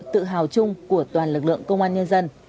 tự hào chung của toàn lực lượng công an nhân dân